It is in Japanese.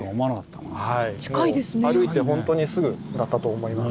もう歩いてほんとにすぐだったと思います。